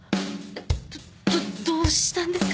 どどどうしたんですか？